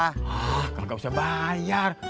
hah kan gak usah bayar